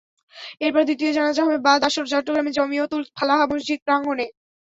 এরপর দ্বিতীয় জানাজা হবে বাদ আসর চট্টগ্রামে জমিয়তুল ফালাহ মসজিদ প্রাঙ্গণে।